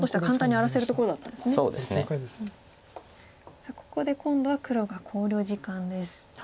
さあここで今度は黒が考慮時間です。